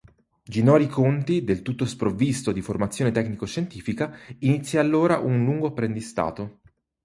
Ginori Conti, del tutto sprovvisto di formazione tecnico-scientifica, inizia allora un lungo apprendistato.